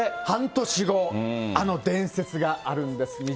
半年後、あの伝説があるんです。